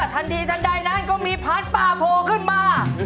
ทันทีทันใดนั้นก็มีพัดป่าโผล่ขึ้นมา